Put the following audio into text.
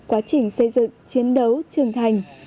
quá trình xây dựng chiến đấu trường thành